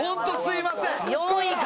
４位か！